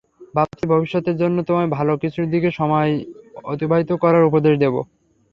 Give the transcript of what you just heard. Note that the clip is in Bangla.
ভাবছি ভবিষ্যতের জন্য তোমায় ভালো কিছুর দিকে সময় অতিবাহিত করার উপদেশ দেবো।